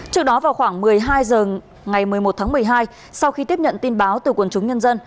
trước đó vào khoảng một mươi hai h ngày một mươi một tháng một mươi hai sau khi tiếp nhận tin báo từ quần chúng nhân dân